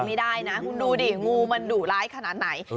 ไม่ได้นะคุณดูดิงูมันดุร้ายขนาดไหน